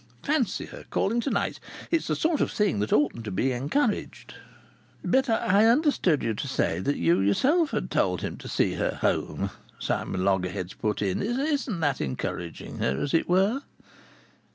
Fancy her calling to night! It's the sort of thing that oughtn't to be encouraged." "But I understood you to say that you yourself had told him to see her home," Simon Loggerheads put in. "Isn't that encouraging her, as it were?"